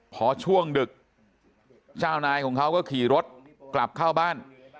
พอช่วงดึกเจ้านายของเขาก็ขี่รถกลับเข้าบ้าน